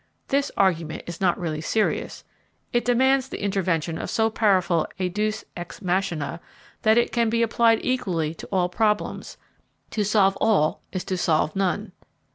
This argument is not really serious; it demands the intervention of so powerful a Deus ex machina, that it can be applied equally to all problems; to solve all is to solve none.